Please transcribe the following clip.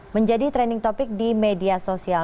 menjadi trending topic di media sosial